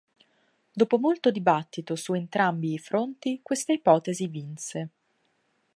Dopo molto dibattito su entrambi i fronti, questa ipotesi vinse.